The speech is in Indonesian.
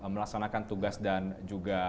melaksanakan tugas dan juga